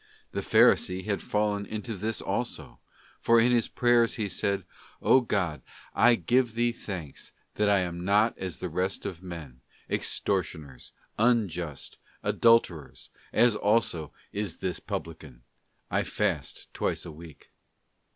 The Pharisee had fallen into this also, for in i SELF SEEKING IN MORAL GOODS. 277 his prayers, he said, 'O God, I give Thee thanks, that I am ~ not as the rest of men, extortioners, unjust, adulterers, as also is this publican; I fast twice in a week.